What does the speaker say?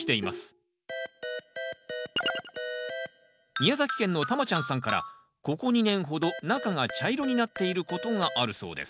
宮崎県のたまちゃんさんからここ２年ほど中が茶色になっていることがあるそうです